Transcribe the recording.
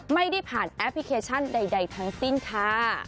ไม่ได้ผ่านแอปพลิเคชันใดทั้งสิ้นค่ะ